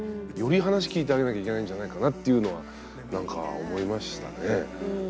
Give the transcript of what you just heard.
より話聞いてあげなきゃいけないんじゃないかなっていうのはなんか思いましたね。